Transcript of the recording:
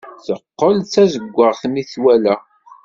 Teqqel d tazewwaɣt mi t-twala.